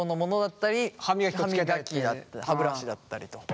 歯ブラシだったりと。